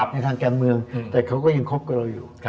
ในทางการเมืองแต่เขาก็ยังคบกับเราอยู่